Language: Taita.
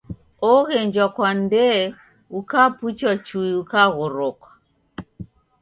Oghenjwa kwa ndee ukapuchwa chui ukaghoroka.